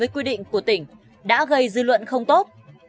quy định của tỉnh đã gây dư luận không tốt